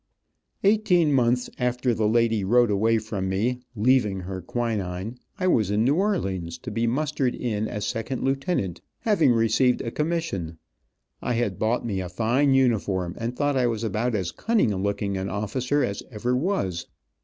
*Eighteen months after the lady rode away from me, "leaving" her quinine, I was in New Orleans, to be mustered in as Second Lieutenant, having received a commsssion. I had bought me a fine uniform, and thought I was about as cunning a looking officer as ever was.